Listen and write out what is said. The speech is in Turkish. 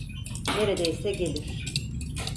Neredeyse gelir.